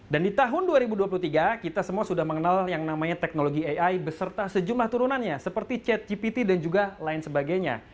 dan di tahun dua ribu dua puluh tiga kita semua sudah mengenal yang namanya teknologi ai beserta sejumlah turunannya seperti chat gpt dan juga lain sebagainya